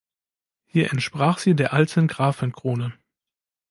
Hier entsprach sie der alten Grafenkrone.